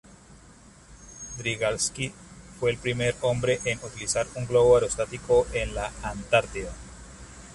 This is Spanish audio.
Drygalski fue el primer hombre en utilizar un globo aerostático en la Antártida.